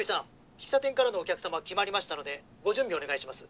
喫茶店からのお客様決まりましたのでご準備お願いします。